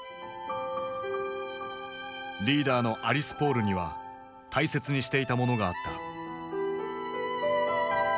リーダーのアリス・ポールには大切にしていたものがあった。